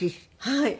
はい。